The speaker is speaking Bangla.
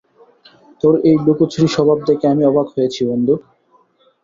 তোর এই লুকোচুরি স্বভাব দেখে আমি অবাক হয়েছি, বন্ধু।